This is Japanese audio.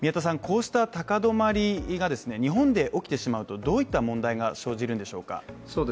こうした高止まりが日本で起きてしまうとどういった問題が生じるんでしょうか？